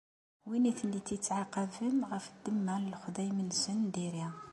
Win i ten-ittɛaqaben ɣef ddemma n lexdayem-nsen n diri.